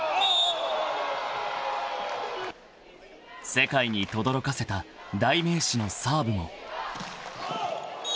［世界にとどろかせた代名詞のサーブも］